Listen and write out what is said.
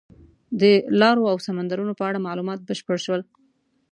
د لارو او سمندرونو په اړه معلومات بشپړ شول.